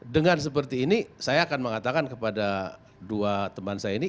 dengan seperti ini saya akan mengatakan kepada dua teman saya ini